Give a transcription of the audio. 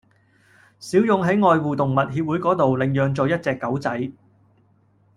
小勇喺愛護動物協會嗰度領養咗一隻狗仔